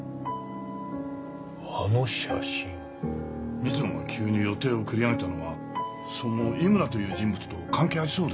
水野が急に予定を繰り上げたのはその井村という人物と関係ありそうですね。